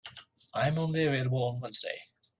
I am only available on Wednesday.